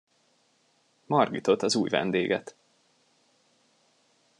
Margitot, az új vendéget.